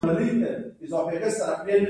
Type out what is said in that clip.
زموږ څخه هر یو د داسې حق لرونکی دی.